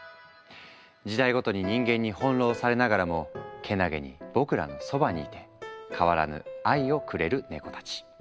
時代ごとに人間に翻弄されながらもけなげに僕らのそばにいて変わらぬ「愛」をくれるネコたち。